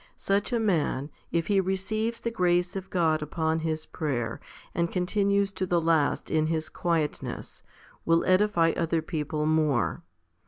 Such a man, if he receives the grace of God upon his prayer, and continues to the last in his quietness, will edify other people more.